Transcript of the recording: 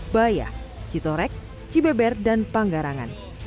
baya citorek cibeber dan panggarangan